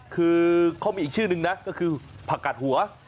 คือเขามีอีกชื่อนึงนะก็คือผักกัดหัว